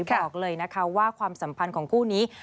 บอกเลยนะคะว่าความสัมพันธ์ของคู่นี้